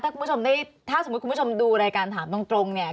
คุณผู้ชมคะถ้าคุณผู้ชมดูรายการถามตรงเนี่ย